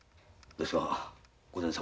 ですが御前様。